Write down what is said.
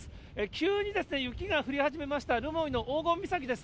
急に雪が降り始めました、留萌の黄金岬です。